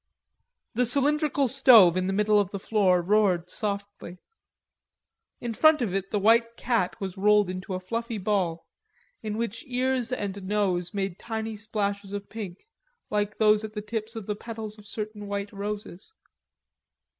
The cylindrical stove in the middle of the floor roared softly. In front of it the white cat was rolled into a fluffy ball in which ears and nose made tiny splashes of pink like those at the tips of the petals of certain white roses.